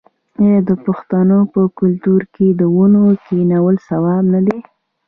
آیا د پښتنو په کلتور کې د ونو کینول ثواب نه دی؟